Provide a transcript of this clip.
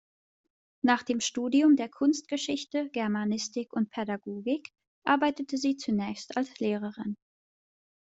Nach dem Studium der Kunstgeschichte, Germanistik und Pädagogik arbeitete sie zunächst als Lehrerin.